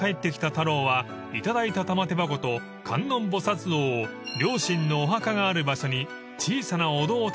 太郎は頂いた玉手箱と観音菩薩像を両親のお墓がある場所に小さなお堂を建て納めました］